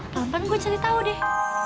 pelan pelan gue cari tau deh